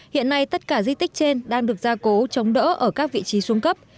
hiện nay tất cả di tích trên đang được gia cố chống đỡ ở các vị trí xuống cấp